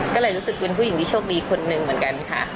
ก็เลยรู้สึกเป็นผู้หญิงที่โชคดีคนหนึ่งเหมือนกันค่ะ